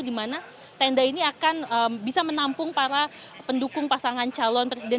di mana tenda ini akan bisa menampung para pendukung pasangan calon presiden